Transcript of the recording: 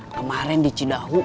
kemarin di cidahu